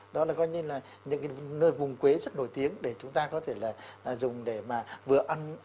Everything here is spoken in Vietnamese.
đó là gọi như là những vùng quế rất nổi tiếng để chúng ta có thể dùng để vừa ăn